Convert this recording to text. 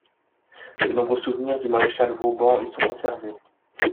De nombreux souvenirs du maréchal Vauban y sont conservés.